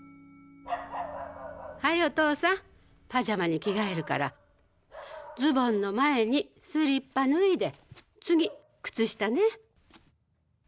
はいおとうさんパジャマに着替えるからズボンの前にスリッパ脱いで次靴下ね。